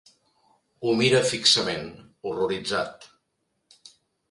Ho mira fixament, horroritzat.